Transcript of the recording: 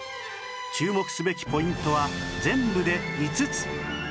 注目すべきポイントは全部で５つ